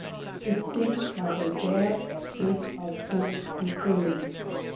It seemed like a bad case of "hope deferred."